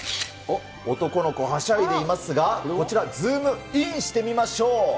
男の子、はしゃいでいますが、こちら、ズームインしてみましょう。